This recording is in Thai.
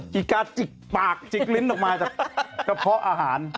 จิกาจิกปากจิกลิ้นออกมาจากกระเพาะอาหาร